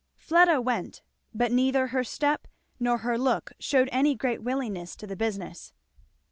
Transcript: Fleda went, but neither her step nor her look shewed any great willingness to the business.